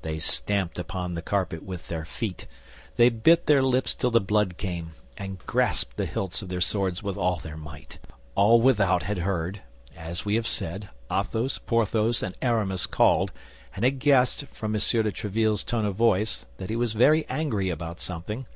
They stamped upon the carpet with their feet; they bit their lips till the blood came, and grasped the hilts of their swords with all their might. All without had heard, as we have said, Athos, Porthos, and Aramis called, and had guessed, from M. de Tréville's tone of voice, that he was very angry about something.